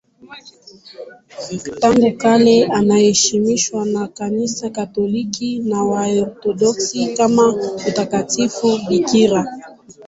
Tangu kale anaheshimiwa na Kanisa Katoliki na Waorthodoksi kama mtakatifu bikira.